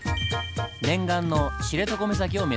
念願の知床岬を目指します。